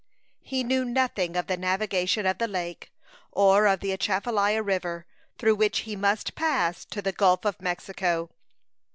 He knew nothing of the navigation of the lake, or of the Atchafalaya River, through which he must pass to the Gulf of Mexico.